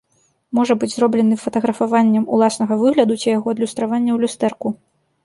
Можа быць зроблены фатаграфаваннем уласнага выгляду ці яго адлюстравання ў люстэрку.